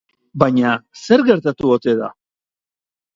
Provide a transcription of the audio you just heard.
Baina zer gertatu ote da?